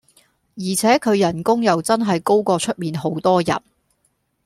而且佢人工又真係高過出面好多人